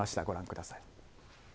ご覧ください。